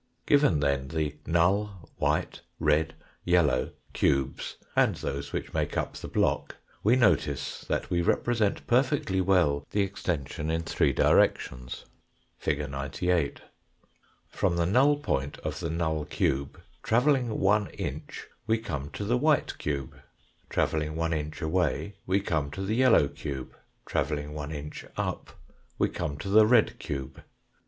Given then the null, white, red, yellow cubes, and those which make up the block, we notice that we represent perfectly well the extension in three directions (fig. 98). From the null point of the null cube, travelling one inch, we come to the white cube ; travelling one inch away we come to the yellow cube ; travelling one inch up we come to the red cube.